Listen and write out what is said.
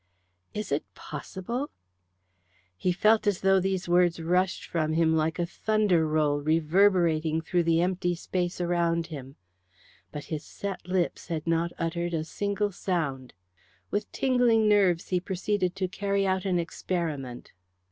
"Is it possible?" He felt as though these words rushed from him like a thunder roll reverberating through the empty space around him. But his set lips had not uttered a single sound. With tingling nerves he proceeded to carry out an experiment.